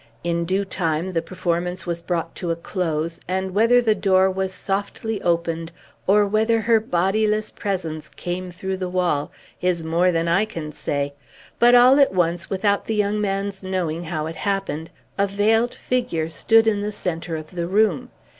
In due time the performance was brought to a close, and whether the door was softly opened, or whether her bodiless presence came through the wall, is more than I can say, but, all at once, without the young man's knowing how it happened, a veiled figure stood in the centre of the room.